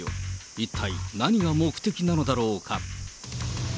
一体、何が目的なのだろうか。